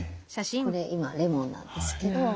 これ今レモンなんですけど。